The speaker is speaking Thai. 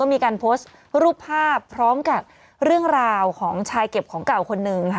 มีการโพสต์รูปภาพพร้อมกับเรื่องราวของชายเก็บของเก่าคนนึงค่ะ